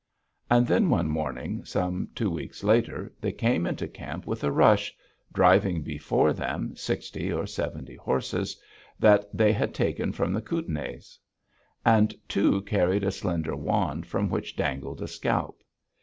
And then, one morning some two weeks later, they came into camp with a rush, driving before them sixty or seventy horses that they had taken from the Kootenais. And two carried a slender wand from which dangled a scalp.